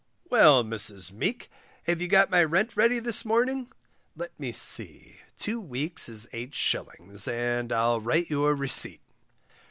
Well, Mrs Meek, have you got my rent ready this morning. Let me see, two weeks is 8s., and I'll write you a receipt.